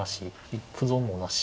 一歩損もなし。